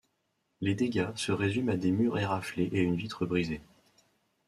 Les dégâts se résument à des murs éraflés et une vitre brisée.